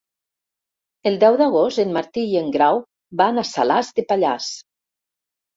El deu d'agost en Martí i en Grau van a Salàs de Pallars.